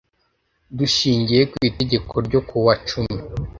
dushingiye ku itegeko ryo kuwa cumi